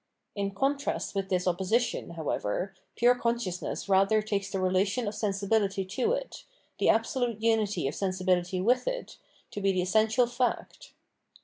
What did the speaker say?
In contrast with this opposition, however, pure conscious ness rather takes the relation of sensibility to it, the absolute unity of sensibility with it, to be the essential fact.